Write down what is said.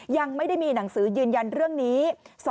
ยังไม่ได้มีหนังสือยืนยันเรื่องนี้